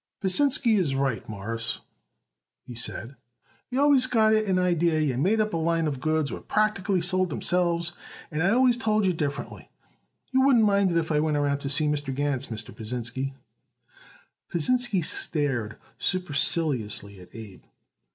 "Pasinsky is right, Mawruss," he said. "You always got it an idee you made up a line of goods what pratically sold themselves, and I always told you differencely. You wouldn't mind it if I went around to see B. Gans, Mr. Pasinsky." Pasinsky stared superciliously at Abe.